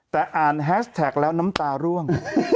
แต่อ่านแฮชแท็กแล้วน้ำตาร่วง